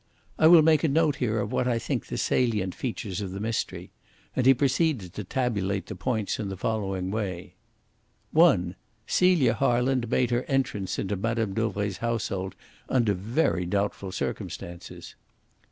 "I will make a note here of what I think the salient features of the mystery"; and he proceeded to tabulate the points in the following way: (1) Celia Harland made her entrance into Mme. Dauvray's household under very doubtful circumstances.